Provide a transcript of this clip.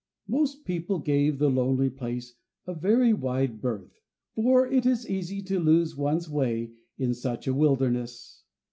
Most people gave the lonely place a very wide berth, for it is easy to lose one's way in such a wilderness.